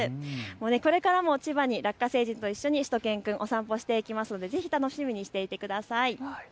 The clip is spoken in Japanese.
これからも千葉にラッカ星人と一緒にしゅと犬くん、お散歩していきますのでぜひ楽しみにしていてください。